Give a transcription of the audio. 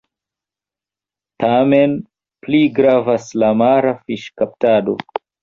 Tamen pli gravas la mara fiŝkaptado.